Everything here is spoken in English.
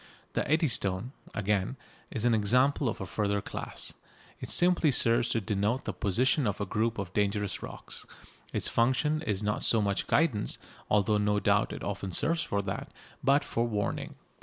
The Eddystone, again, is an example of a further class. It simply serves to denote the position of a group of dangerous rocks. Its function is not so much guidance, although no doubt it often serves for that, but for warning.